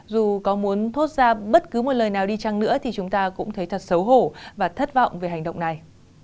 dù có muốn thoát ra bất cứ một lời nào đi chăng nữa thì chúng ta cũng thấy thật xấu hổ và thất vọng về hành động này